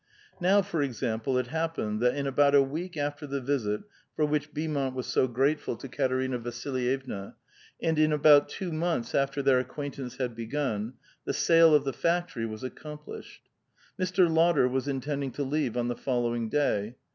Now, for example, it happened that in about a week after the visit for which Beaumont was so gratef<il to Katerina Vasilyevna, and in about two mouths after their acquaintance had begun, the* sale of the factory was accomplished. Mr. Lotter was in tending to leave on the following day.